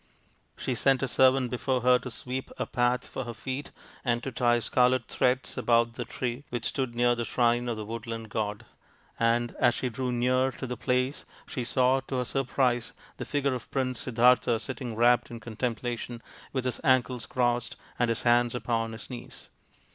She sent a servant before her to sweep a path for her feet and to tie scarlet threads about the tree which stood near the shrine of the woodland god ; and as she drew near to the place she saw, to her surprise, the figure of Prince Siddartha sitting wrapt in contemplation with his ankles crossed and his hands upon his knees.